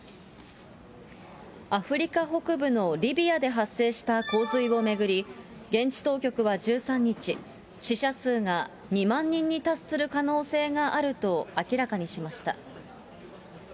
アフリカ北部のリビアで発生した洪水を巡り、現地当局は１３日、死者数が２万人に達する可能性があると明らかにしました。